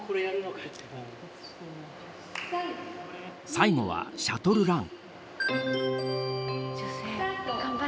最後はシャトルラン。